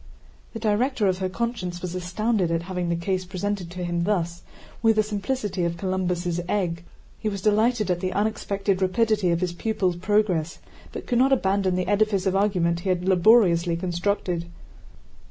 The director of her conscience was astounded at having the case presented to him thus with the simplicity of Columbus' egg. He was delighted at the unexpected rapidity of his pupil's progress, but could not abandon the edifice of argument he had laboriously constructed.